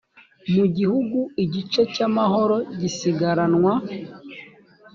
mu gihugu igice cy amahooro gisigaranwa